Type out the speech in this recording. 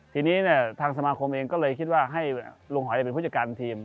ทีนี้ทางสมาคมเองก็เลยคิดว่าให้ลุงหอยเป็นผู้จัดการทีม